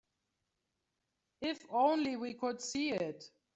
If only we could see it.